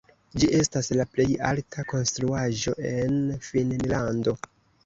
Ĝi estas la plej alta konstruaĵo en Finnlando.